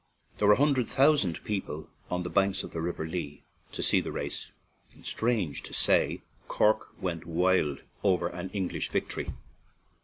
There were a hundred thousand people on the banks of the river Lee to see the race, and, strange to say, Cork went wild over an English victory.